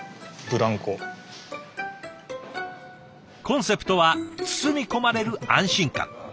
コンセプトは包み込まれる安心感。